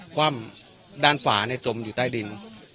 คว่ำด้านฝาจมอยู่ใต้ดิน